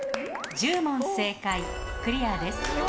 １０問正解クリア。